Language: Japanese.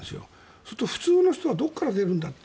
そうすると普通の人はどこから出るんだと。